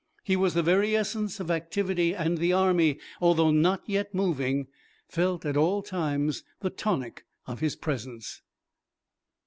He was the very essence of activity and the army, although not yet moving, felt at all times the tonic of his presence.